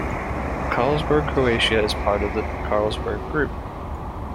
Carlsberg Croatia is part of the Carlsberg Group.